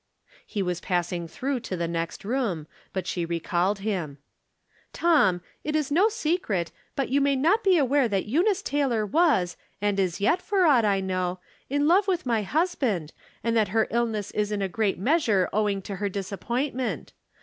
He was passing through to the next room, but she recalled him. 322 From Different Standpoints. " Tom, it is no secret, but you may not be aware tbat Eunice Taylor was, and is yet for aught I know, in love with my husband, and that her illness is in a great measure owing to her dis appointment.